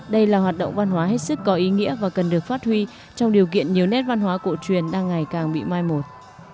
đây là hoạt động văn hóa hết sức có ý nghĩa và cần được phát huy trong điều kiện nhiều nét văn hóa cổ truyền đang ngày càng bị mai một